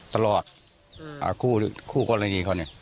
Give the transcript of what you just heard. คู่กรณีเขาเนี่ย